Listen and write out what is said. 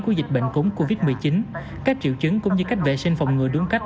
của dịch bệnh cúng covid một mươi chín các triệu chứng cũng như cách vệ sinh phòng ngừa đúng cách